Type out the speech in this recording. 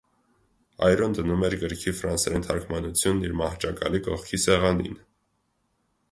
Այրոն դնում էր գրքի ֆրանսերեն թարգմանությունն իր մահճակալի կողքի սեղանին։